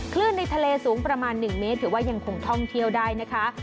คลื่นในทะเลสูงประมาณ๑เมตรถือว่ายังคงท่องเที่ยวได้นะคะ